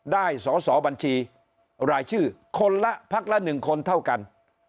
ได้สอสอบัญชีรายชื่อคนละพักละ๑คนเท่ากัน